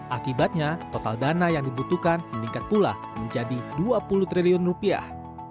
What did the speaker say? akibatnya total dana yang dibutuhkan meningkat pula menjadi dua puluh triliun rupiah